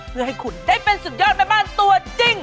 เพื่อให้คุณได้เป็นสุดยอดแม่บ้านตัวจริง